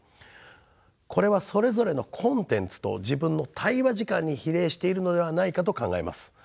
これはそれぞれのコンテンツと自分の対話時間に比例しているのではないかと考えます。